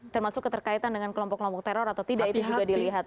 termasuk keterkaitan dengan kelompok kelompok teror atau tidak itu juga dilihat